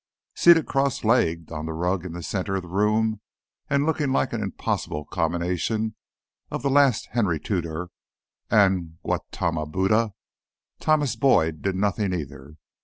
Seated cross legged on the rug in the center of the room, and looking like an impossible combination of the last Henry Tudor and Gautama Buddha, Thomas Boyd did nothing either.